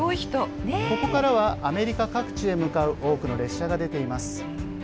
ここからはアメリカ各地へ向かう多くの列車が出ています。